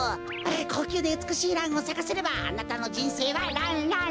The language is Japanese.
こうきゅうでうつくしいランをさかせればあなたのじんせいはランランラン！